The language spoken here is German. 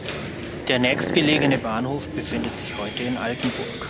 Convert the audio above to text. Der nächstgelegene Bahnhof befindet sich heute in Altenburg.